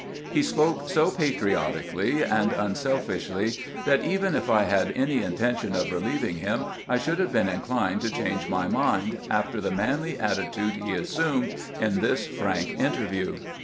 He spoke so patriotically and unselfishly that even if I had had any intention of relieving him, I should have been inclined to change my mind after the manly attitude he assumed in this frank interview."